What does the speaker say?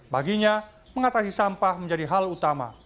baginya mengatasi sampah menjadi hal utama